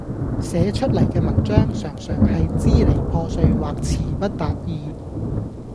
寫出嚟嘅文章常常係支離破碎或辭不達意